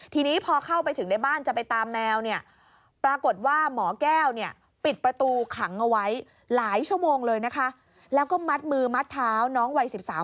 ทีนี้พอเข้าไปถึงในบ้านจะไปตามแมว